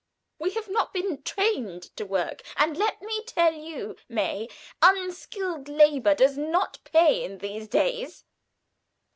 We have not been trained to work, and, let me tell you, May, unskilled labor does not pay in these days."